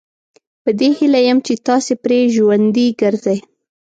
په دې هیله یم چې تاسي پرې ژوندي ګرځئ.